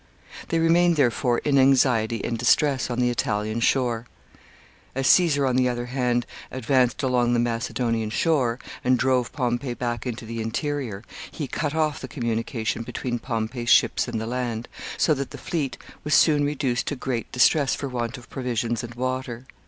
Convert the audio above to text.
They remained, therefore, in anxiety and distress, on the Italian shore. As Caesar, on the other hand, advanced along the Macedonian shore, and drove Pompey back into the interior, he cut off the communication between Pompey's ships and the land, so that the fleet was soon reduced to great distress for want of provisions and water.